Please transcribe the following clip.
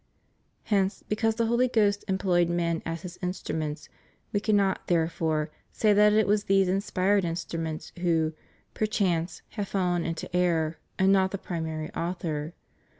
* Hence, because the Holy Ghost employed men as His instruments, we cannot, therefore, say that it was these inspired instruments who, perchance, have fallen into error, and not the primary author.